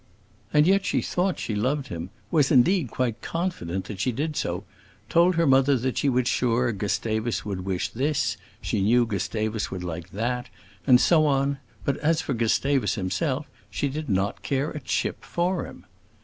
And yet she thought she loved him; was, indeed, quite confident that she did so; told her mother that she was sure Gustavus would wish this, she knew Gustavus would like that, and so on; but as for Gustavus himself, she did not care a chip for him.